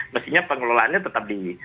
mestinya pengelolaannya tetap di